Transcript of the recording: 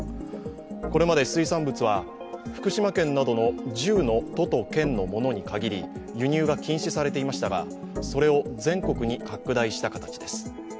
これまで水産物は福島県などの１０の都と県のものに限り輸入が禁止されていましたが、それを全国に拡大した形です。